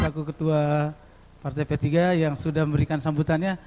selaku ketua partai p tiga yang sudah memberikan sambutannya